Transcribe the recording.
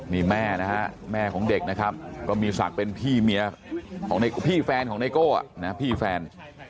นี่แม่นะฮะแม่ของเด็กนะครับก็มีศักดิ์เป็นพี่เมียของพี่แฟนของไนโก้พี่แฟน